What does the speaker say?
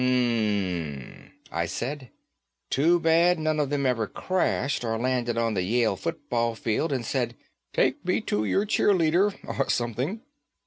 "Ummmm," I said. "Too bad none of them ever crashed, or landed on the Yale football field and said Take me to your cheerleader, or something."